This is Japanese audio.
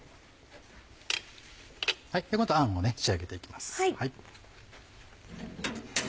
今度あんを仕上げて行きます。